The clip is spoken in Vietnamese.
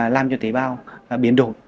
làm cho tế bào biến đổi